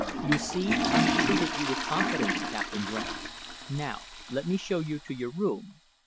You see, I have treated you with confidence, Captain Graham. Now let me show you to your room."